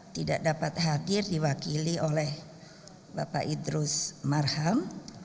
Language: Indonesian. tidak dapat hadir diwakili oleh bapak idrus marham